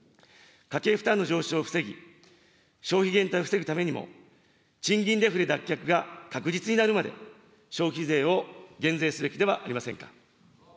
家計負担の上昇を防ぎ、消費減退を防ぐためにも賃金デフレ脱却が確実になるまで、消費税を減税すべきではありませんか。